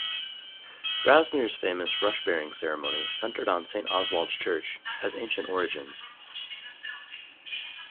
Grasmere's famous Rushbearing Ceremony, centred on Saint Oswald's Church, has ancient origins.